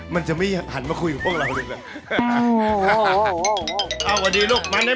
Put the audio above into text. มันจะไม่หันมาคุยกับพวกเราดีกว่า